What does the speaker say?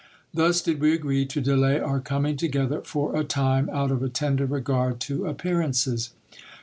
Thus did we agree to delay our coming together for a time, out of a tender regard to appearances.